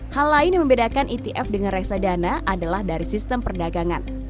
hal lain yang membedakan etf dengan reksadana adalah dari sistem perdagangan